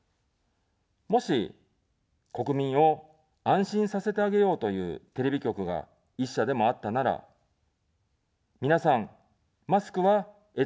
もし、国民を安心させてあげようというテレビ局が１社でもあったなら、皆さん、マスクはエチケットとマナーです。